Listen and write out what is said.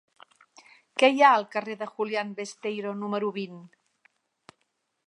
Què hi ha al carrer de Julián Besteiro número vint?